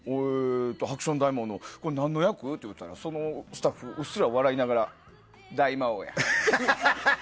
えーと、ハクション大魔王の、なんの役？と言ったら、そのスタッフ、うっすら笑いながら、大魔王や。